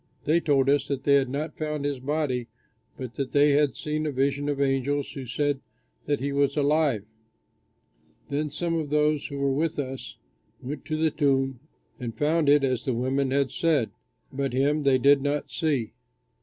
They told us that they had not found his body but that they had seen a vision of angels who said that he was alive. Then some of those who were with us went to the tomb and found it as the women had said. But him they did not see."